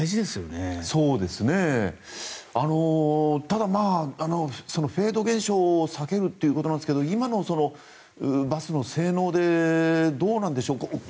ただ、フェード現象を避けるということなんですが今のバスの性能でどうなんでしょう。